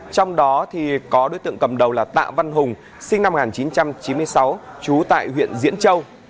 trong đó có đối tượng cầm đầu là tạ văn hùng sinh năm một nghìn chín trăm chín mươi sáu trú tại huyện diễn châu